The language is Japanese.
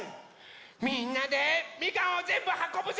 みんなでみかんをぜんぶはこぶぞ！